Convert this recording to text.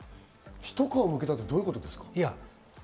ひと皮むけたってどういうことですか？